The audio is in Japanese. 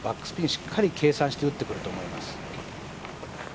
しっかり計算して打ってくると思います。